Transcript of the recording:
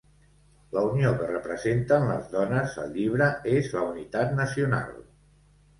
La unió que representen les dones al llibre és la unitat nacional.